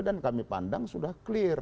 dan kami pandang sudah clear